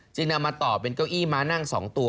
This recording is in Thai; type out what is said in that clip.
นำมาต่อเป็นเก้าอี้ม้านั่ง๒ตัว